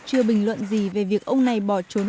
chưa bình luận gì về việc ông này bỏ trốn